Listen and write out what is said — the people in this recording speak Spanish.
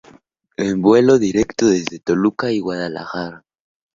En vuelo directo desde Toluca y Guadalajara.